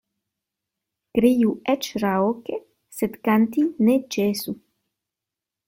Kriu eĉ raŭke, sed kanti ne ĉesu.